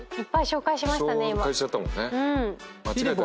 紹介しちゃったもんね。